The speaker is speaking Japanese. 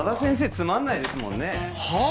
つまんないですもんねはあッ！？